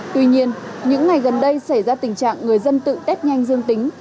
tuy nhiên những ngày gần đây xảy ra tình trạng người dân tự test nhanh dương tính